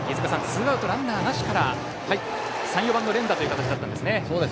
ツーアウトランナーなしから３、４番の連打という形だったんですね。